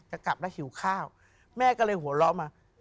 กลับแล้วหิวข้าวแม่ก็เลยหัวเราะมา